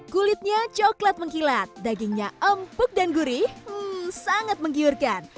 kulitnya coklat mengkilat dagingnya empuk dan gurih sangat menggiurkan